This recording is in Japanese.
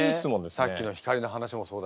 さっきの光の話もそうだしね。